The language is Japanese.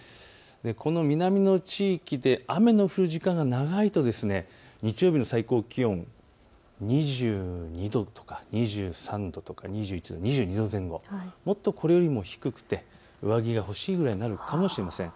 この南の地域で雨の降る時間が長いと日曜日の最高気温２２度、２３度、２２度前後、もっとこれよりも低くて上着が欲しいくらいになるかもしれません。